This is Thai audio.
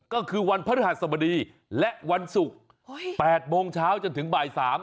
ก็คือวันพระฤหัสบดีและวันศุกร์๘โมงเช้าจนถึงบ่าย๓